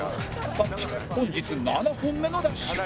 田渕本日７本目のダッシュ